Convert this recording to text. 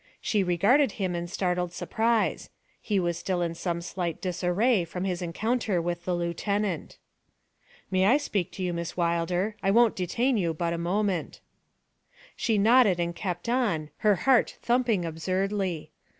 She regarded him in startled surprise; he was still in some slight disarray from his encounter with the lieutenant. 'May I speak to you, Miss Wilder? I won't detain you but a moment.' She nodded and kept on, her heart thumping absurdly.